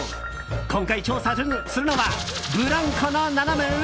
今回、調査するのはブランコのナナメ上。